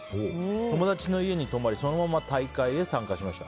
友達の家に泊まりそのまま大会に参加しました。